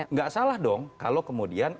nggak salah dong kalau kemudian